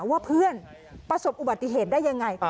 ว่าเพื่อนประสบอุบัติเหตุได้ยังไง